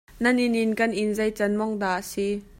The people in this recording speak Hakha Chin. Nan inn in kan inn zei can mawngh dah a si?